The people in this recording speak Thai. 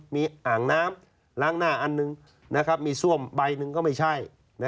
มีอ่างน้ำล้างหน้าอันหนึ่งมีซ่วมใบหนึ่งก็ไม่ใช่